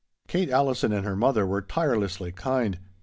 Kate Allison and her mother were tirelessly kind.